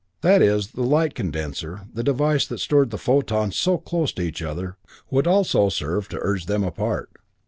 That is, the light condenser, the device that stored the photons so close to each other, would also serve to urge them apart.